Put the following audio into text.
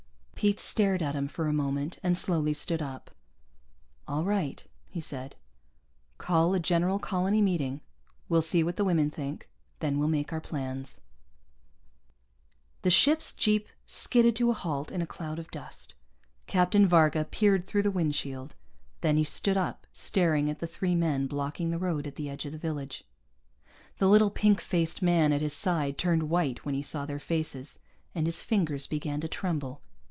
Pete stared at him for a moment and slowly stood up. "All right," he said. "Call a general colony meeting. We'll see what the women think. Then we'll make our plans." The ship's jeep skidded to a halt in a cloud of dust. Captain Varga peered through the windshield. Then he stood up, staring at the three men blocking the road at the edge of the village. The little pink faced man at his side turned white when he saw their faces, and his fingers began to tremble.